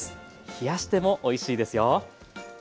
冷やしてもおいしいですよ。